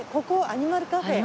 アニマルカフェ。